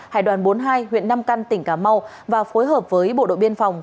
hải đoàn bốn mươi hai huyện nam căn tỉnh cà mau và phối hợp với bộ đội biên phòng